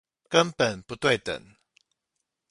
根本不對等